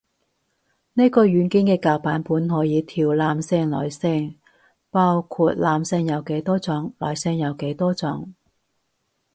呢個軟件嘅舊版本可以調男聲女聲，包括男聲有幾多種女聲有幾多種